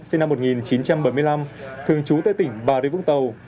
sinh năm một nghìn chín trăm bảy mươi năm thường trú tại tỉnh bà rịa vũng tàu